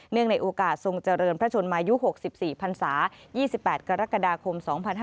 ในโอกาสทรงเจริญพระชนมายุ๖๔พันศา๒๘กรกฎาคม๒๕๕๙